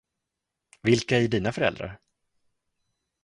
Vilka är dina föräldrar?